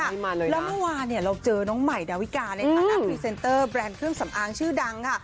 แล้วเมื่อวานเนี่ยเราเจอน้องใหม่ดาวิกาในฐานะพรีเซนเตอร์แบรนด์เครื่องสำอางชื่อดังค่ะ